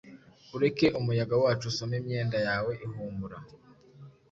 ureke umuyaga wacu Usome imyenda yawe ihumura